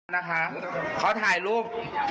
นะคะเขาถ่ายรูป